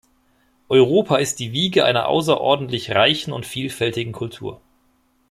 Europa ist die Wiege einer außerordentlich reichen und vielfältigen Kultur.